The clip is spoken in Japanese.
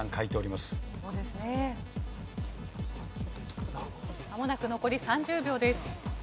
まもなく残り３０秒です。